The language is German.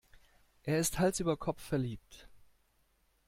Er ist Hals über Kopf verliebt.